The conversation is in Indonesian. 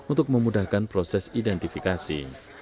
untuk memudahkan proses identifikasi